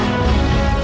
yang lebih baik adalah